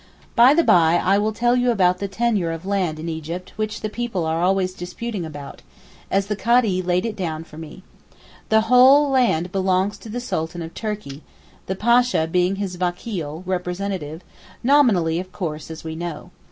Bye the bye I will tell you about the tenure of land in Egypt which people are always disputing about, as the Kadee laid it down for me. The whole land belongs to the Sultan of Turkey, the Pasha being his vakeel (representative), nominally of course as we know.